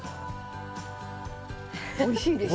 おいしいでしょ？